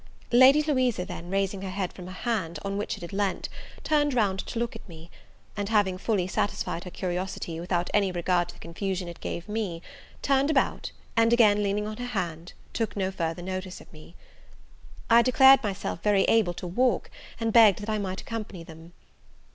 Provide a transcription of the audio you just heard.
Lady Louisa, then, raising her head from her hand, on which it had leant, turned round to look at me; and having fully satisfied her curiosity, without any regard to the confusion it gave me, turned about, and, again leaning on her hand, took no further notice of me. I declared myself very able to walk, and begged that I might accompany them.